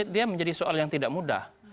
dia menjadi soal yang tidak mudah